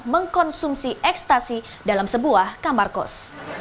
mengkonsumsi ekstasi dalam sebuah kamarkos